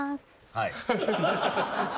はい。